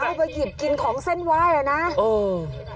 เธอหยิบกินของเส้นไหว้อะนะโอ้โอ้